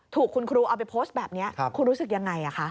ถูกคุณครูเอาไปโพสต์แบบนี้คุณรู้สึกยังไงคะ